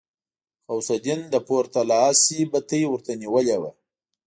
غوث الدين له پورته لاسي بتۍ ورته نيولې وه.